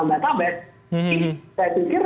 jujur saja dulu kepada diri sendiri